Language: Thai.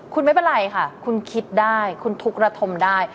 คุณไม่เป็นไรค่ะคุณคิดได้คุณทุกระทมได้